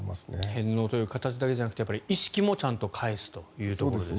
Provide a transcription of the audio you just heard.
返納という形だけじゃなくて意識もちゃんと返すというところですね。